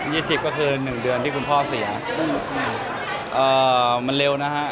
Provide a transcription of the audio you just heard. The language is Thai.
สิบก็คือหนึ่งเดือนที่คุณพ่อเสียเอ่อมันเร็วนะฮะ